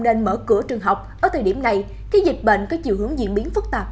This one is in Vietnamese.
nên mở cửa trường học ở thời điểm này khi dịch bệnh có chiều hướng diễn biến phức tạp